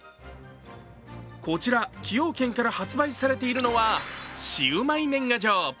こちら、崎陽軒から発売されているのはシウマイ年賀状。